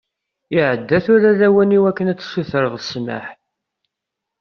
Iɛedda tura lawan i wakken ad tsutreḍ ssmaḥ.